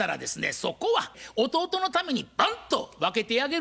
そこは弟のためにバンと分けてあげる。